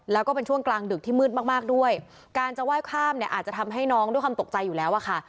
แล้วก็เป็นช่วงกลางดึกที่มืดมากมากด้วยการจะไหว้ข้ามเนี่ยอาจจะทำให้น้องด้วยความตกใจอยู่แล้วอะค่ะ